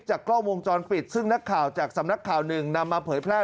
จากกล้องมงจอดปิดซึ่งสำนักข่าวหนึ่งนำมาเผยแพร่